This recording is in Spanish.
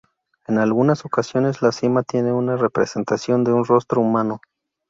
En algunas ocasiones la cima tiene una representación de un rostro humano.